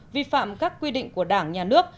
vi phạm các quy định của đảng nhà nước